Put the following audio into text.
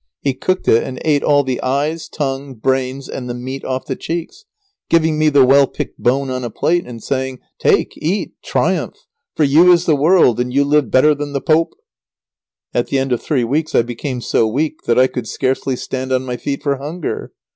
He cooked it and ate all the eyes, tongue, brains, and the meat off the cheeks, giving me the well picked bone on a plate, and saying, "Take! Eat! Triumph! for you is the world, and you live better than the Pope." [Sidenote: Lazaro was sinking into the silent tomb from hunger.] At the end of three weeks I became so weak that I could scarcely stand on my feet for hunger.